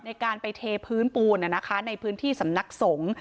ในการไปเทพื้นปูนในพื้นที่สำนักสงฆ์